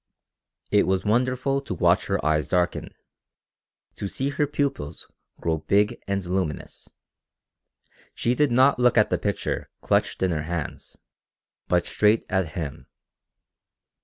It was wonderful to watch her eyes darken, to see her pupils grow big and luminous. She did not look at the picture clutched in her hands, but straight at him.